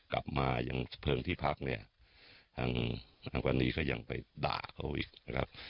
กลับมายังเพลิงที่พักเนี่ยทางวันนี้ก็ยังไปด่าเขาอีกนะครับ